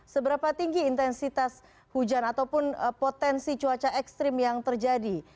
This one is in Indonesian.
seberapa tinggi intensitas hujan ataupun potensi cuaca ekstrim yang terjadi